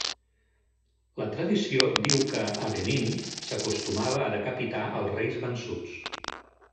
La tradició diu que, a Benín, s'acostumava a decapitar els reis vençuts.